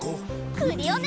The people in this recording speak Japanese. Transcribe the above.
クリオネ！